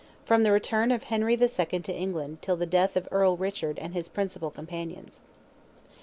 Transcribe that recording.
FROM THE RETURN OF HENRY II. TO ENGLAND TILL THE DEATH OF EARL RICHARD AND HIS PRINCIPAL COMPANIONS.